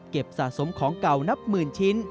สะสมของเก่านับหมื่นชิ้น